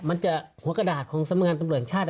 มันจะหัวกระดาษของสำงานตำรวจชาติ